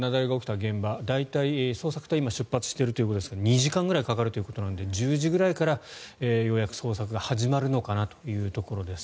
現場大体、捜索隊が今出発しているということですが２時間ぐらいかかるということなので１０時ぐらいからようやく捜索が始まるのかなというところです。